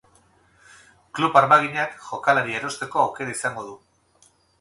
Klub armaginak jokalaria erosteko aukera izango du.